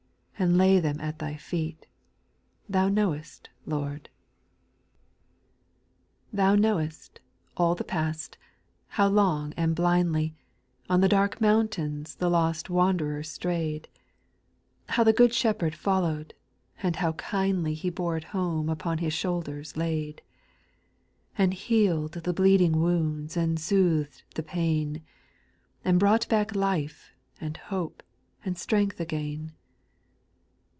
And lay them at Thy feet — Thou knowest Lord I 816 SPIRITUAL SONGS. 2. " Thou knowest" all the past, how long and blindly, On the dark mountains the lost wanderer strayed, How the good Shepherd followed, and how kindly He bore it home upon his shoulders laid, And healed the bleeding wounds and soothed the pain. And brought back life, and hope, and strength again.